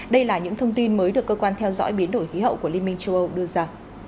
đây là những thông tin mới được cơ quan theo dõi biến đổi khí hậu của liên minh châu âu đưa ra